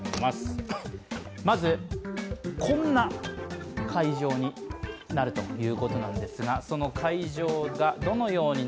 まず、こんな会場になるということなんです。